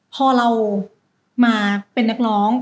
พอเรามาเป็นนักร้อง